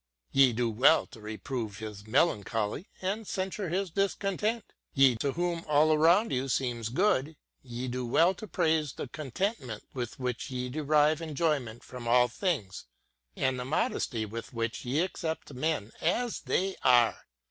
Ye do well to reprove his melancholy, and censure his dis content, ye to whom all around you seems good; ye do well to praise the contentment with which ye derive enjoyment from all things, and the modesty with which ye accept men as they are